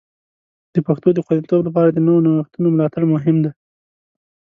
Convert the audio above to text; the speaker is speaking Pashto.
د پښتو د خوندیتوب لپاره د نوو نوښتونو ملاتړ مهم دی.